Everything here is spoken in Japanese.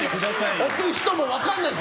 押す人も分かんないんです。